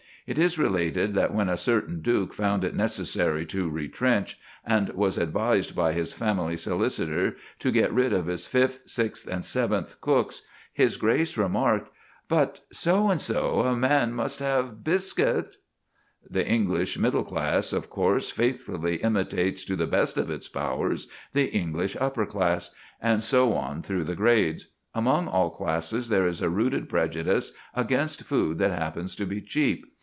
It is related that when a certain duke found it necessary to retrench, and was advised by his family solicitor to get rid of his fifth, sixth, and seventh cooks, his grace remarked, "But , So and so, a man must have a biscuit!" And the English middle class of course faithfully imitates to the best of its powers the English upper class, and so on through the grades. Among all classes there is a rooted prejudice against food that happens to be cheap.